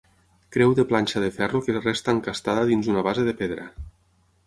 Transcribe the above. Creu de planxa de ferro que resta encastada dins una base de pedra.